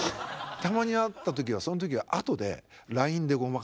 たまにあった時はその時はあとでＬＩＮＥでごまかします。